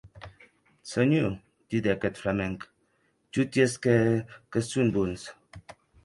Senhor, didec eth flamenc, toti es qu’è, que son bons.